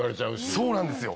そうなんですよ。